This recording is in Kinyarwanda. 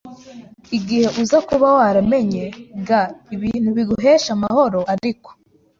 gihe uza kuba waramenye g ibintu biguhesha amahoro Ariko